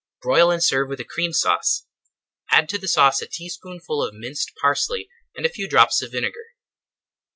Broil and serve with a Cream Sauce. Add to the sauce a teaspoonful of minced parsley, and a few drops of vinegar.